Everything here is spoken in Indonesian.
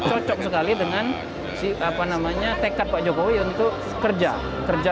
cocok sekali dengan si apa namanya tekad pak jokowi untuk kerja